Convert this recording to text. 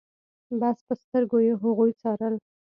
بس په سترګو يې هغوی څارل.